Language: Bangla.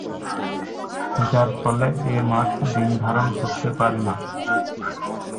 যার ফলে এ মাছ ডিম ধারণ করতে পারে না।